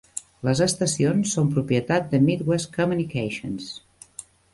Les estacions són propietat de Midwest Communications.